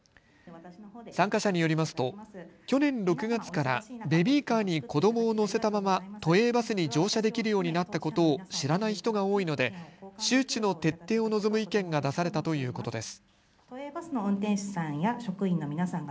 参加者によりますと去年６月からベビーカーに子どもを乗せたまま都営バスに乗車できるようになったことを知らない人が多いので周知の徹底を望む意見が出されたということです。